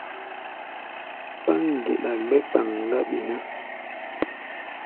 Páŋ geɗa gbɛ́ kpaŋ-láɓi ná.